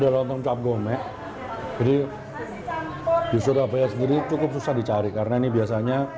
ini adalah ontong capgome jadi di surabaya sendiri cukup susah dicari karena ini biasanya